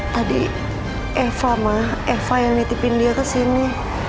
tadi eva mah eva yang nitipin dia ke sini